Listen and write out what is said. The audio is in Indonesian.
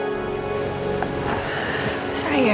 dan juga untuk membuatnya lebih baik